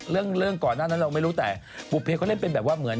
เรื่องก่อนหน้านั้นเราไม่รู้แต่บุเพเขาเล่นเป็นแบบว่าเหมือน